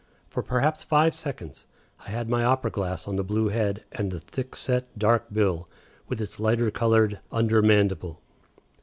For perhaps five seconds I had my opera glass on the blue head and the thick set, dark bill, with its lighter colored under mandible.